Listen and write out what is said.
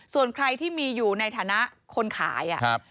ส่วนใครที่มีอยู่ในฐานะคนขาย